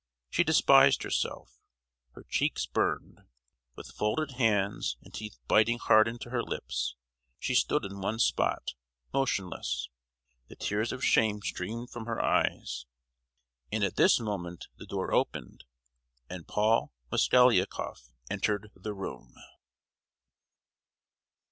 She despised herself—her cheeks burned. With folded hands, and teeth biting hard into her lips, she stood in one spot, motionless. The tears of shame streamed from her eyes,——and at this moment the door opened, and Paul Mosgliakoff entered the room!